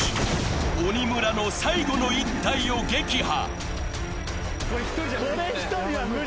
鬼村の最後の１体を撃破。